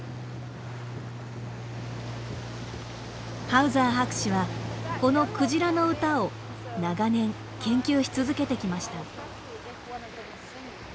ハウザー博士はこのクジラの歌を長年研究し続けてきました。